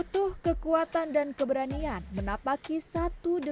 butuh kekuatan dan keberanian menapaki satu demi satu anak tangga